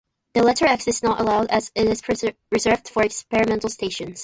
The letter X is not allowed as it is reserved for experimental stations.